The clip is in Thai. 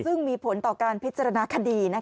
ซึ่งมีผลต่อการพิจารณาคดี